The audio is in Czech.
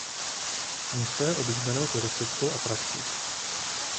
Místo je oblíbenou turistickou atrakcí.